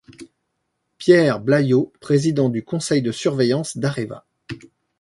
Pierre Blayau, président du conseil de surveillance d'Areva.